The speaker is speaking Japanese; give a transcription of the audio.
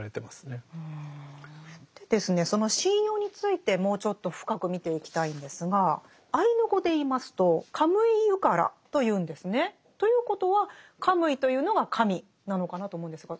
その神謡についてもうちょっと深く見ていきたいんですがアイヌ語で言いますと「カムイユカラ」と言うんですね。ということは「カムイ」というのが「神」なのかなと思うんですが。